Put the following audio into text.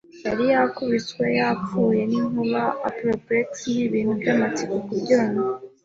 yari yakubiswe yapfuye n'inkuba apoplexy. Nibintu byamatsiko kubyumva,